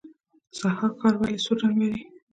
ضحاک ښار ولې سور رنګ لري؟